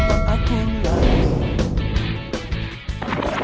nggak mau kerja kok malam malam